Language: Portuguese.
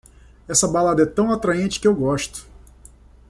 Essa balada é tão atraente que eu gosto!